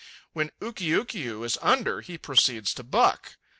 When Ukiukiu is under, he proceeds to buck.